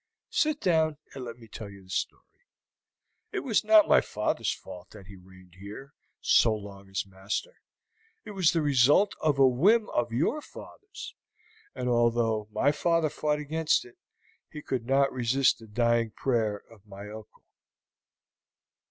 Sit down and let me tell you the story. It was not my father's fault that he reigned here so long as master, it was the result of a whim of your father's. And although my father fought against it, he could not resist the dying prayer of my uncle."